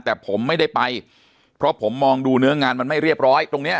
แต่ผมไม่ได้ไปเพราะผมมองดูเนื้องานไม่เรียบร้อย